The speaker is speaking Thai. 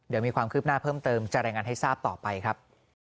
เดี๋ยวมีความคืบหน้าเพิ่มเติมจะรายงานให้ทราบต่อไปครับ